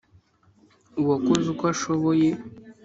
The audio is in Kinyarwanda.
uwakoze uko ashoboye